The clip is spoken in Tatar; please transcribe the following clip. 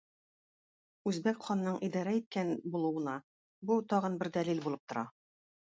Үзбәк ханның идарә иткән булуына бу тагын бер дәлил булып тора.